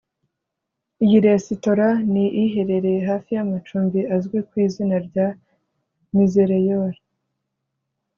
Iyi resitora ni iherereye hafi y’amacumbi azwi ku izina rya misereor